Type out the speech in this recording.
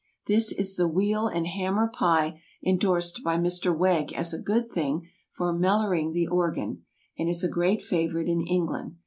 This is the "weal and hammer pie" endorsed by Mr. Wegg as a good thing "for mellering the organ," and is a great favorite in England.